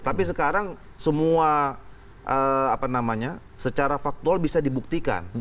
tapi sekarang semua apa namanya secara faktual bisa dibuktikan